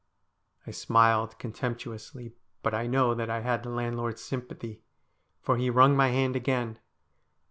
I smiled contemptuously, but I know that I had the landlord's sympathy, for he wrung my hand again.